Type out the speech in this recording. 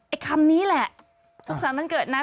ไอคำนี้แหละสุขสันต์วันเกิดนะ